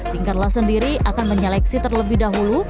tingkarlah sendiri akan menyeleksi terlebih dahulu